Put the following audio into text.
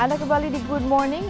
anda kembali di good morning